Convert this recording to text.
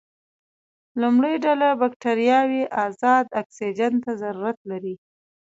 لومړۍ ډله بکټریاوې ازاد اکسیجن ته ضرورت لري.